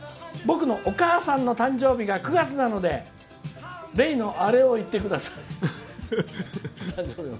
「僕のお母さんの誕生日が９月なので例のあれを言ってください」。